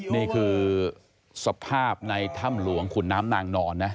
นี่คือสภาพในถ้ำหลวงขุนน้ำนางนอนนะ